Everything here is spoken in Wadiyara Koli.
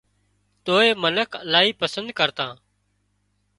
توئي منک الاهي پسند ڪرتان